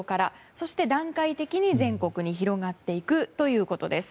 そして段階的に全国に広がっていくということです。